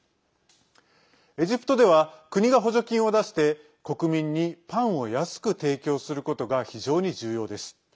エジプトでは国が補助金を出して国民にパンを安く提供することが非常に重要です。